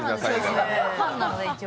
ファンなので、一応。